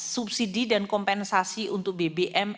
subsidi dan kompensasi untuk bbm